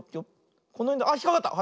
このへんであっひっかかった！